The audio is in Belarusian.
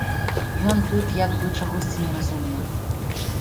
Ён тут як бы чагосьці не разумеў.